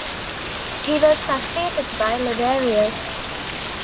He was succeeded by Liberius.